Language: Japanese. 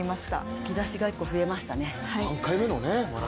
引き出しが１個増えましたね。